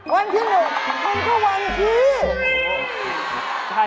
วันที่๑มันก็วันที่